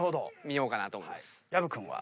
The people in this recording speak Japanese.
薮君は？